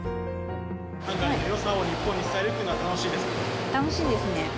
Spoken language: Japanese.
ハンガリーのよさを日本に伝えるっていうのは、楽しいですか楽しいですね。